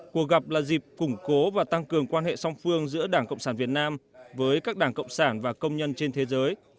cuộc gặp là dịp củng cố và tăng cường quan hệ song phương giữa đảng cộng sản việt nam với các đảng cộng sản và công nhân trên thế giới